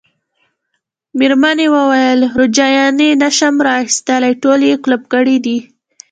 مېرمنې وویل: روجایانې نه شم را اخیستلای، ټولې یې قلف کړي دي.